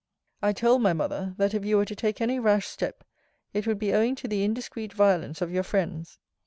I told my mother, that if you were to take any rash step, it would be owing to the indiscreet violence of your friends.